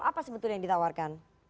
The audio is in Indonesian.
apa sebetulnya yang ditawarkan